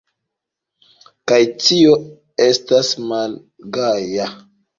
Kaj tio estas malgaja!